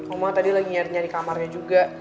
oma tadi lagi nyari nyari kamarnya juga